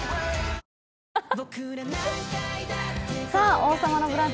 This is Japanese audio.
「王様のブランチ」